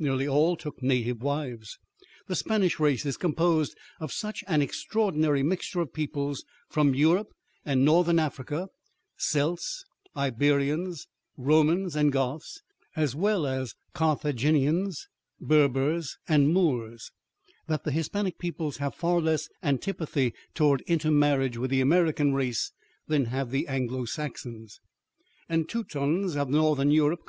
Nearly all took native wives. The Spanish race is composed of such an extraordinary mixture of peoples from Europe and northern Africa, Celts, Iberians, Romans, and Goths, as well as Carthaginians, Berbers, and Moors, that the Hispanic peoples have far less antipathy toward intermarriage with the American race than have the Anglo Saxons and Teutons of northern Europe.